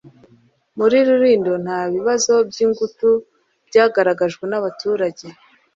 muri Rulindo nta bibazo by’ingutu byagaragajwe n’abaturage